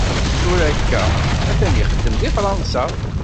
Tura akka atan ixeddem deg Fransa.